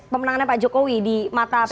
pemenangannya pak jokowi di mata